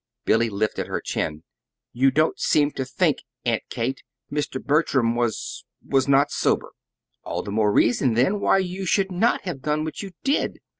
Billy lifted her chin. "You don't seem to think, Aunt Kate; Mr. Bertram was was not sober." "All the more reason then why you should NOT have done what you did!"